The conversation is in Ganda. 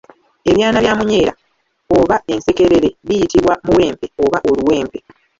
Ebyana bya munyeera oba ensekerere biyitibwa Muwempe oba Oluwempe.